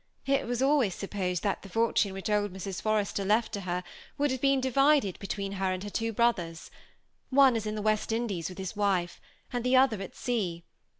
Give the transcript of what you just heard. It was always supposed that the fortune which old Mrs. Forrester left to her would have been divided between her and two brothers: one is in the West Indies with his wife, and the other at sea.